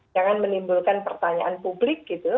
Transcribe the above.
jangan menimbulkan pertanyaan publik gitu